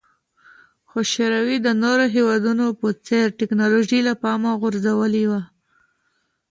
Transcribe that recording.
خو شوروي د نورو هېوادونو په څېر ټکنالوژي له پامه غورځولې وه